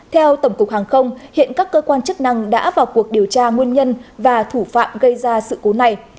theo tổng cục hàng không hiện các cơ quan chức năng đã vào cuộc điều tra nguyên nhân và thủ phạm gây ra sự cố này